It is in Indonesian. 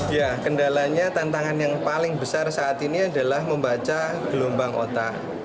ya kendalanya tantangan yang paling besar saat ini adalah membaca gelombang otak